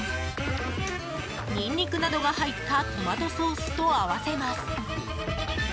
ニンニクなどが入ったトマトソースと合わせます。